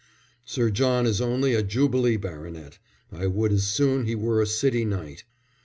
"Sir John is only a Jubilee baronet. I would as soon he were a city knight."